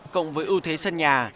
cộng với ưu thế sân nhà